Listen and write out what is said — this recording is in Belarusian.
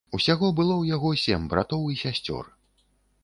Усяго было ў яго сем братоў і сясцёр.